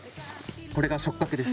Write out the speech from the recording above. これが触角です。